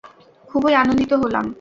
খুবই আনন্দিত হলাম।